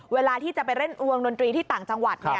เวลาที่จะไปเล่นวงดนตรีที่ต่างจังหวัด